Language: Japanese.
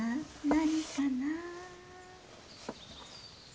何かな？